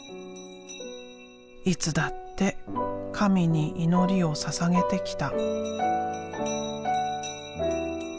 いつだって神に祈りをささげてきた。